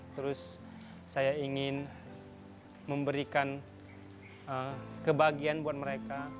terus saya ingin memberikan kebahagiaan buat mereka